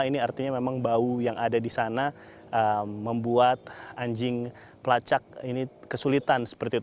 ini artinya memang bau yang ada di sana membuat anjing pelacak ini kesulitan seperti itu